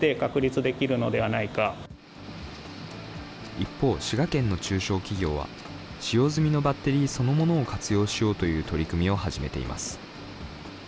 一方、滋賀県の中小企業は、使用済みのバッテリーそのものを活用しようという取り組みを始めています。